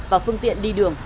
và phương tiện đi đường